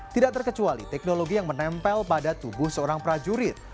tidak terkecuali teknologi yang menempel pada tubuh seorang prajurit